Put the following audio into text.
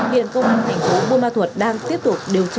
hiện công an thành phố buôn ma thuật đang tiếp tục điều tra